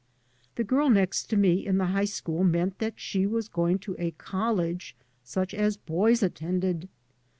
The girl next to me in the high school meant that she was going to a college such as boys attended.